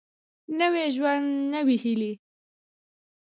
نوی ژوند نوي هېلې